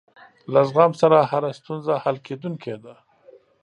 له زغم سره هره ستونزه حل کېدونکې ده.